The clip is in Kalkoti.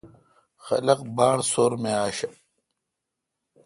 خلق باڑ سور می اشہ۔